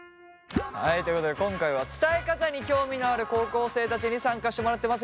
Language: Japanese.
はいということで今回は伝え方に興味のある高校生たちに参加してもらってます。